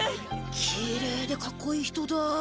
きれいでかっこいい人だ。